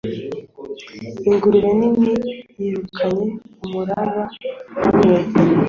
ingurube nini yirukanye umuraba hamwe